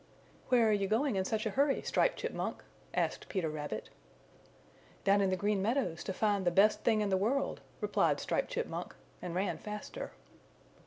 "Where are you going in such a hurry, Striped Chipmunk?" asked Peter Rabbit. "Down in the Green Meadows to find the Best Thing in the World," replied Striped Chipmunk, and ran faster.